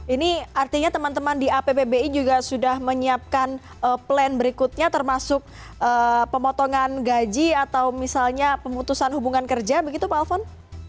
ini artinya teman teman di apbbi juga sudah menyiapkan plan berikutnya termasuk pemotongan gaji atau misalnya pemutusan hubungan kerja begitu pak alphon